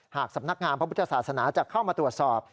หากสำนักงานพระพุทธศาสนาจะเข้ามาตรวจสอบ